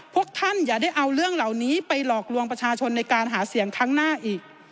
พวกท่านอย่าได้เอาเรื่องเหล่านี้ไปหลอกลวงประชาชนในการหาเสียงครั้งหน้าอีก